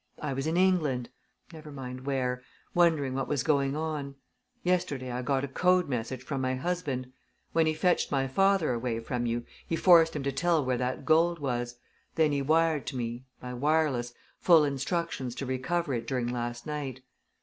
I was in England never mind where wondering what was going on. Yesterday I got a code message from my husband. When he fetched my father away from you, he forced him to tell where that gold was then he wired to me by wireless full instructions to recover it during last night.